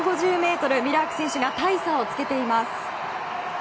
ミラーク選手が大差をつけています。